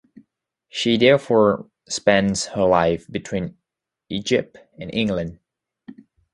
She therefore spends her life between Egypt and England.